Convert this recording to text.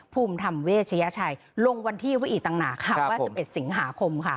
ภูมิธรรมเวชยชัยลงวันที่ไว้อีกต่างหากว่า๑๑สิงหาคมค่ะ